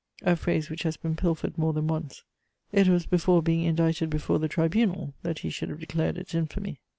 a phrase which has been pilfered more than once. It was before being indicted before the tribunal that he should have declared its infamy.